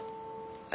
え？